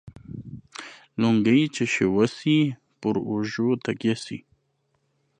لنگۍ چې شوه سي ، پر اوږو تکيه سي.